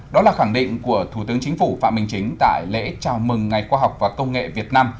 đó là khẳng định của thủ tướng chính phủ phạm minh chính tại lễ chào mừng ngày khoa học và công nghệ việt nam